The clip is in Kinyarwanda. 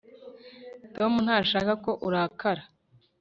tom ntashaka ko urakara